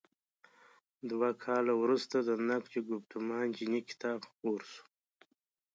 دوه کاله وروسته د «نقد ګفتمان دیني» کتاب خپور شو.